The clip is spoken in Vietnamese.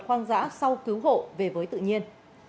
hoang dã sau cứu hộ về với tự nhiên